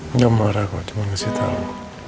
enggak marah kok cuma ngasih tau